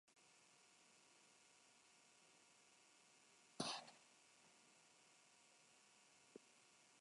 O. Wilson le dio un significado más preciso.